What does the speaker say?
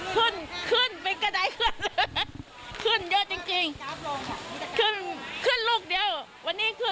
ก็คิดว่าถึงใจเยอะแหละ